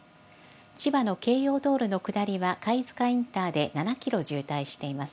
千葉の京葉道路の下りは、貝塚インターで７キロ渋滞しています。